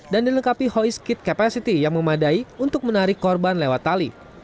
dan dilengkapi hoist kit capacity yang memadai untuk menarik korban lewat tali